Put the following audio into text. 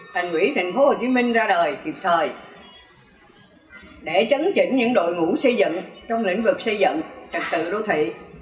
thành quỹ tp hcm ra đời kịp thời để chấn chỉnh những đội ngũ xây dựng trong lĩnh vực xây dựng trật tự đô thị